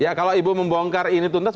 ya kalau ibu membongkar ini tuntas